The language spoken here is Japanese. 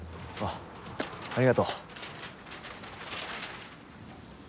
ああありがとう。